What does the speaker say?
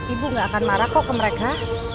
ibu gak akan marah kok ke mereka